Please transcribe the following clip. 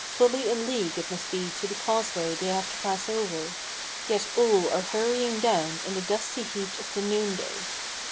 Fully a league it must be to the causeway they have to pass over, Yet all are hurrying down in the dusty heat of the noonday.